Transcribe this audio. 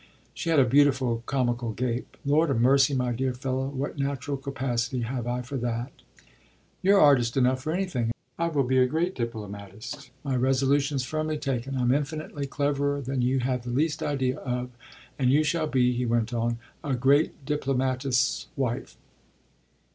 She had a beautiful, comical gape. "Lord o' mercy, my dear fellow, what natural capacity have I for that?" "You're artist enough for anything. I shall be a great diplomatist: my resolution's firmly taken, I'm infinitely cleverer than you have the least idea of, and you shall be," he went on, "a great diplomatist's wife."